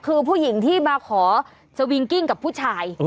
คือผู้หญิงที่มาขอสวิงกิ้งกับผู้ชาย